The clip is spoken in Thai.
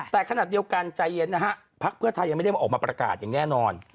แต่ขณะเดียวกันใจเย็นนะฮะพักเพื่อไทยยังไม่ได้มาออกมาประกาศอย่างแน่นอน